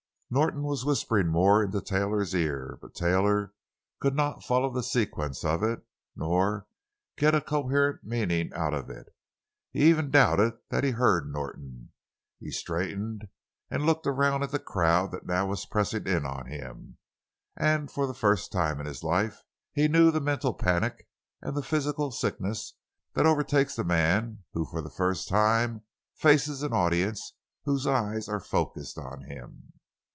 Norton was whispering more into Taylor's ear, but Taylor could not follow the sequence of it, nor get a coherent meaning out of it. He even doubted that he heard Norton. He straightened, and looked around at the crowd that now was pressing in on him, and for the first time in his life he knew the mental panic and the physical sickness that overtakes the man who for the first time faces an audience whose eyes are focused on him.